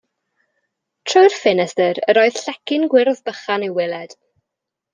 Trwy'r ffenestr yr oedd llecyn gwyrdd bychan i'w weled.